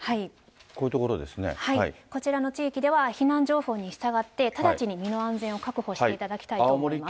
こちらの地域では、避難情報に従って直ちに身の安全を確保していただきたいと思います。